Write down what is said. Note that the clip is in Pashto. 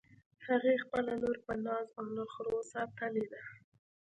هغې خپله لور په ناز او نخروساتلی ده